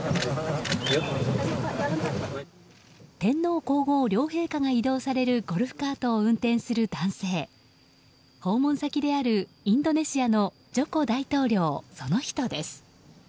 天皇・皇后両陛下が移動されるゴルフカートを運転する男性訪問先であるインドネシアのジョコ大統領その人です。